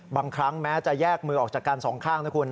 บางครั้งแม้จะแยกมือออกจากกันสองข้างนะคุณ